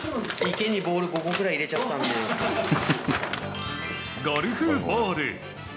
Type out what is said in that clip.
池にボール、５個ぐらい入れゴルフボール。